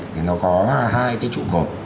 có hai cái trụ cột